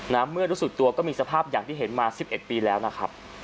เมื่อรู้สึกตัวก็มีสภาพอย่างที่เห็นมา๑๑ปีแล้วนะครับ